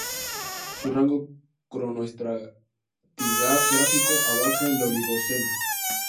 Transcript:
Su rango cronoestratigráfico abarca el Oligoceno.